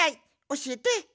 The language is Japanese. おしえて！